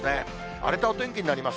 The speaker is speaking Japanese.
荒れたお天気になります。